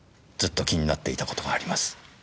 ずっと気になっていた事があります。